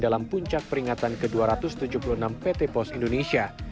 dalam puncak peringatan ke dua ratus tujuh puluh enam pt pos indonesia